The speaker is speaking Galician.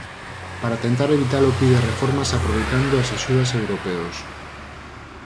Para tentar evitalo pide reformas aproveitando as axudas europeos.